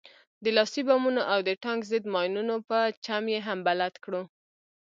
د لاسي بمونو او د ټانک ضد ماينونو په چم يې هم بلد کړو.